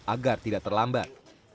agar tidak terlambat